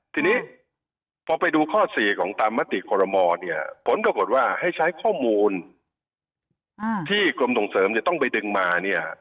ทีนี้พอไปดูข้อ๔ของตามมติกรมผลกระบวนว่าให้ใช้ข้อมูลที่กรมต่งเสริมจะต้องไปดึงมา